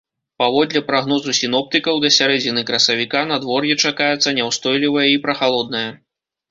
Паводле прагнозу сіноптыкаў, да сярэдзіны красавіка надвор'е чакаецца няўстойлівае і прахалоднае.